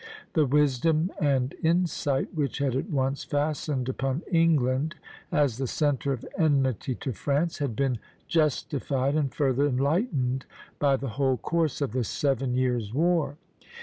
The wisdom and insight which had at once fastened upon England as the centre of enmity to France had been justified and further enlightened by the whole course of the Seven Years' War.